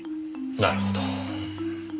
なるほど。